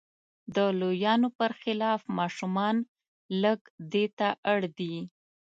د لویانو پر خلاف ماشومان لږ دې ته اړ دي.